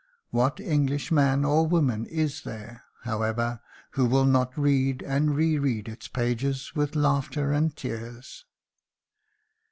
What English man or woman is there, however, who will not read and re read its pages with laughter and tears?